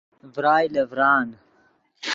ڤرائے لے ڤران